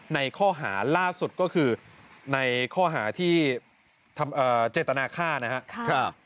ในข้อหาล่าสุดก็คือในข้อหาที่เจตนาฆ่านะครับ